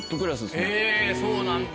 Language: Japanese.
へぇそうなんだ。